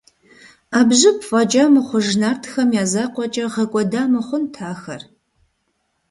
Ӏэбжьыб фӀэкӀа мыхъуж нартхэм я закъуэкӀэ гъэкӀуэда мыхъунт ахэр.